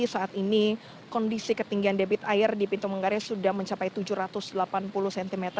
saat ini kondisi ketinggian debit air di pintu menggare sudah mencapai tujuh ratus delapan puluh cm